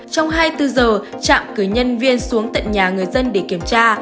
trong hai mươi bốn giờ trạm cử nhân viên xuống tận nhà người dân để kiểm tra